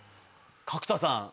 角田さん